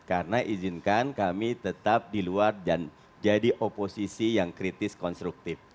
karena izinkan kami tetap di luar dan jadi oposisi yang kritis konstruktif